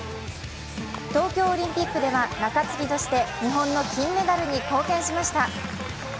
東京オリンピックでは中継ぎとして日本の金メダルに貢献しました。